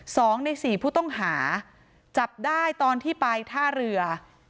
สองในสี่ผู้ต้องหาจับได้ตอนที่ไปท่าเรือ